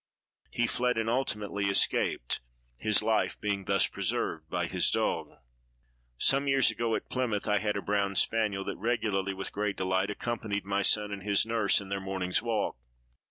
He fled, and ultimately escaped, his life being thus preserved by his dog. Some years ago, at Plymouth, I had a brown spaniel that regularly, with great delight, accompanied my son and his nurse in their morning's walk.